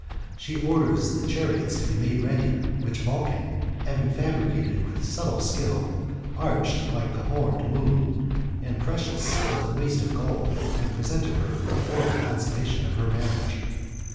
She orders the chariot to be made ready, which Vulcan, hayingjabricated with subtle skill, arched like the horned moon, and preciouS'lvitli a waste of gold, had presented her before the consumnation of her marriage.